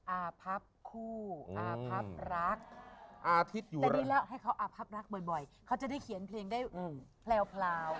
อาพับคู่อาพับรักอาทิตย์อยู่แต่นี่แล้วให้เขาอาพับรักบ่อยเขาจะได้เขียนเพลงได้แพลว